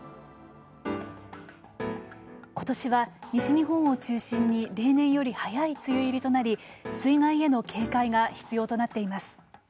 ことしは西日本を中心に例年より早い梅雨入りとなり水害への警戒が必要となっています。